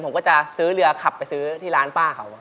ผมก็จะซื้อเรือขับไปซื้อที่ร้านป้าเขา